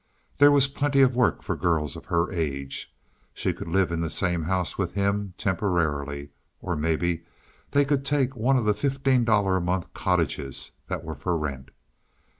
There was plenty of work for girls of her age. She could live in the same house with him temporarily; or maybe they could take one of the fifteen dollar a month cottages that were for rent.